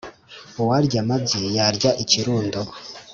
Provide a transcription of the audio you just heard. Uwarya amabyi yarya ikirundo.